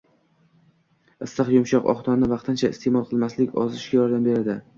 Issiq, yumshoq, oq nonni vaqtincha iste’mol qilmaslik ozishga yordam beradi.